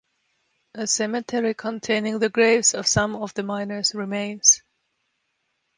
A cemetery containing the graves of some of the miners remains.